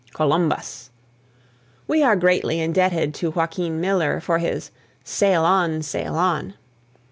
COLUMBUS. We are greatly indebted to Joaquin Miller for his "Sail On! Sail On!"